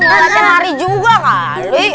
latihan hari juga kali